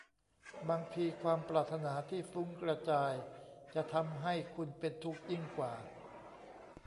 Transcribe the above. บางทีความปรารถนาที่ฟุ้งกระจายจะทำให้คุณเป็นทุกข์ยิ่งกว่า